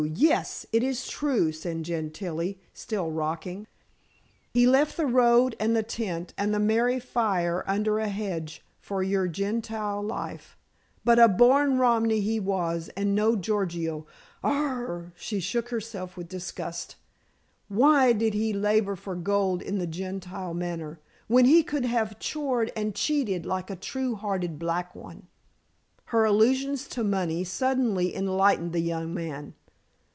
Yes; it is true," said Gentilla, still rocking. "He left the road, and the tent, and the merry fire under a hedge for your Gentile life. But a born Romany he was and no Gorgio. Ahr r r!" she shook herself with disgust. "Why did he labor for gold in the Gentile manner, when he could have chored and cheated like a true hearted black one?" Her allusions to money suddenly enlightened the young man.